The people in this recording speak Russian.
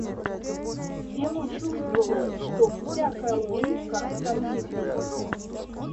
Ему чувствовалось, что всякая улыбка оскорбит их.